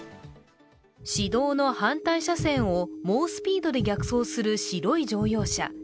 市道の反対車線を猛スピードで逆走する白い乗用車。